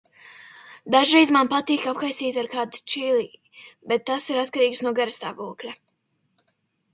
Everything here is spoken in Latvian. Dažreiz man patīk apkaisīt arī kādu čili, bet tas ir atkarīgs no garastāvokļa.